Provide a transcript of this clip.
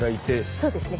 そうですね。